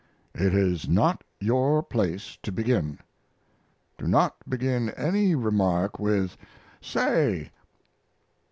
It is not your place to begin. Do not begin any remark with "Say."